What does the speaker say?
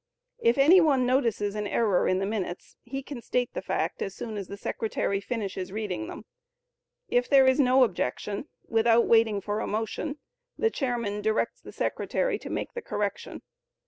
If any one notices an error in the minutes, he can state the fact as soon as the secretary finishes reading them; if there is no objection, without waiting for a motion, the chairman directs the secretary to make the correction.